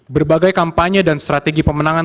berbagai kampanye dan strategi pemenangan